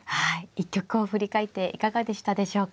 一局を振り返っていかがでしたでしょうか。